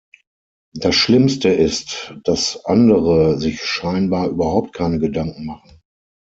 Das Schlimmste ist, dass andere sich scheinbar überhaupt keine Gedanken machen.